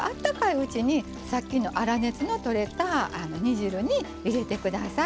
うちにさっきの粗熱のとれた煮汁に入れてください。